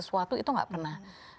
sesuatu itu tidak pernah